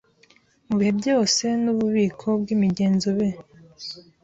mu bihe byose nububiko bwimigenzo b